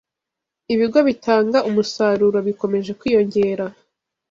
Ibigo bitanga umusaruro bikomeje kwiyongera